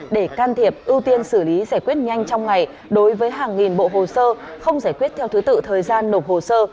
để can thiệp ưu tiên xử lý giải quyết nhanh trong ngày đối với hàng nghìn bộ hồ sơ không giải quyết theo thứ tự thời gian nộp hồ sơ